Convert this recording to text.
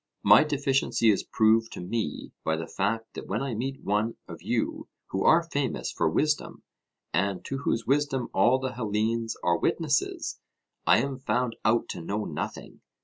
My deficiency is proved to me by the fact that when I meet one of you who are famous for wisdom, and to whose wisdom all the Hellenes are witnesses, I am found out to know nothing.